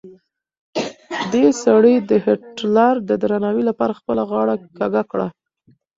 دې سړي د هېټلر د درناوي لپاره خپله غاړه کږه کړه.